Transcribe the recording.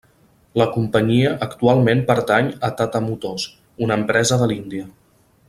La companyia actualment pertany a Tata Motors, una empresa de l'Índia.